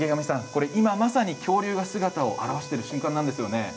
これ、今まさに恐竜が姿を現している瞬間なんですよね。